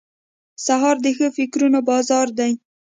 سهار د ښه فکرونو بازار دی.